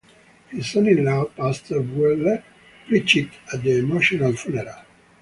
His son-in-law, pastor Buehler, preached at the emotional funeral.